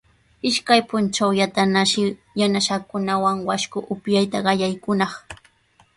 Ishkay puntrawllatanashi yanasankunawan washku upyayta qallaykunaq.